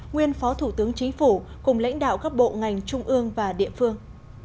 nguyên phó thủ tướng chính phủ cùng lãnh đạo các bộ ngành trung ương và địa phương